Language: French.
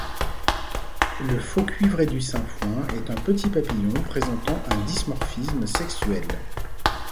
Le Faux-cuivré du sainfoin est un petit papillon présentant un dimorphisme sexuel.